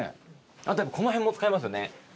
あとこの辺も使いますよね。